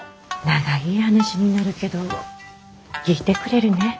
長い話になるけど聞いてくれるねぇ？